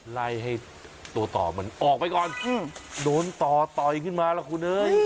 ไล่ให้ตัวต่อมันออกไปก่อนโดนต่อต่อยขึ้นมาล่ะคุณเอ้ย